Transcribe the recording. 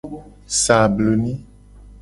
Sa abloni.